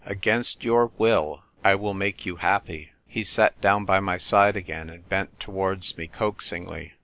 Against your will, I will make you happy." He sat down by my side again, and bent towards me coaxingly.